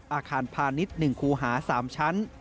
อาคารพาณิชย์๑คูหา๓ชั้น